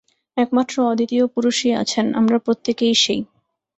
একমাত্র অদ্বিতীয় পুরুষই আছেন, আমরা প্রত্যেকেই সেই।